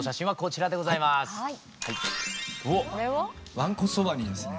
わんこそばにですね